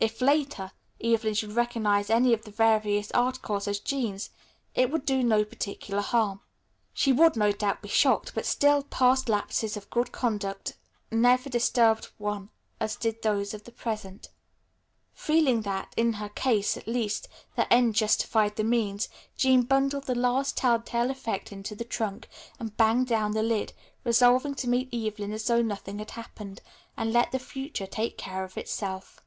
If, later, Evelyn should recognize any of the various articles as Jean's, it would do no particular harm. She would, no doubt, be shocked, but still past lapses of good conduct never disturbed one as did those of the present. Feeling that, in her case, at least, the end justified the means, Jean bundled the last tell tale effect into the trunk and banged down the lid, resolving to meet Evelyn as though nothing had happened, and let the future take care of itself.